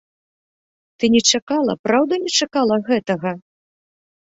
Ты не чакала, праўда, не чакала гэтага?